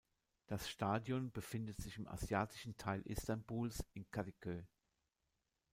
Das Stadion befindet sich im asiatischen Teil Istanbuls in Kadıköy.